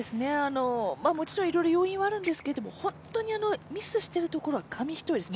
もちろん、いろいろ要因はあるんですけども本当にミスしているところは紙一重です。